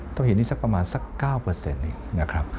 ต้อหินนี่ประมาณสัก๙อีกนะครับ